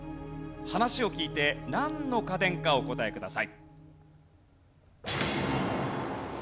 話を聞いてなんの家電かお答えください。